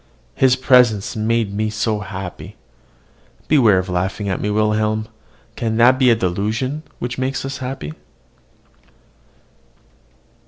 His presence made me so happy! Beware of laughing at me, Wilhelm. Can that be a delusion which makes us happy?